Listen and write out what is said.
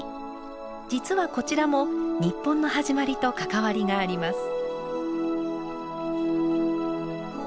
実はこちらも日本の始まりと関わりがあります。